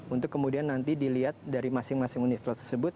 untuk kemudian nanti dilihat dari masing masing universitas tersebut